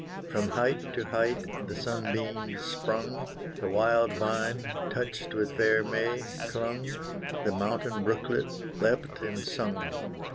From height to height the sunbeam sprung, The wild vine, touched with vermeil, clung, The mountain brooklet leapt and sung.